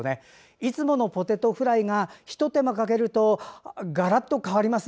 いつものポテトフライがひと手間かけるとガラッと変わります。